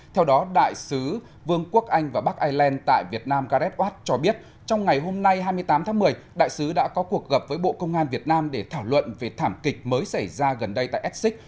theo đó đại sứ vương quốc anh và bắc ireland tại việt nam gareth watt cho biết trong ngày hôm nay hai mươi tám tháng một mươi đại sứ đã có cuộc gặp với bộ công an việt nam để thảo luận về thảm kịch mới xảy ra gần đây tại essex